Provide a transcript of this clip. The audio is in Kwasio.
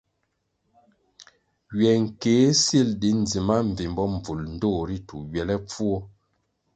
Ywe nkéh sil di ndzima mbvimbo mbvul ndtoh ritu ywelepfuo.